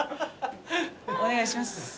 お願いします。